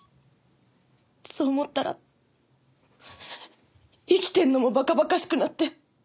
そう思ったら生きてるのも馬鹿馬鹿しくなって！